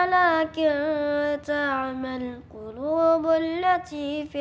apa yang yang bahkan prominent di depan